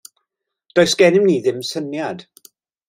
Does gennym ni ddim syniad.